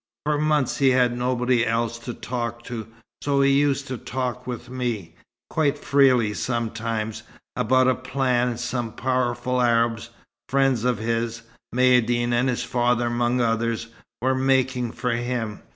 For months he had nobody else to talk to, so he used to talk with me quite freely sometimes, about a plan some powerful Arabs, friends of his Maïeddine and his father among others were making for him.